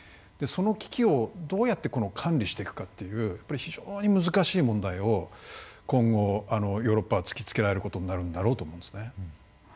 その危機をどうやって管理していくかっていう非常に難しい問題を今後ヨーロッパは突きつけられることになるんだろうと思うんですね。